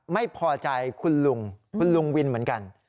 ไม่พอใจคุณลุงคุณลุงวินเหมือนกัน